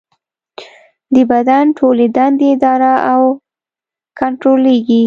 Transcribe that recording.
د بدن ټولې دندې اداره او کنټرولېږي.